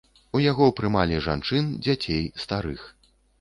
У яго прымалі жанчын, дзяцей, старых.